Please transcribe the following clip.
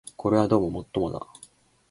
これはどうも尤もだ